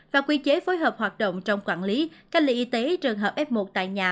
và quy chế phối hợp hoạt động trong quản lý cách ly y tế trường hợp f một tại nhà